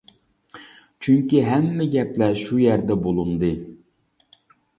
چۈنكى ھەممە گەپلەر شۇ يەردە بولۇندى.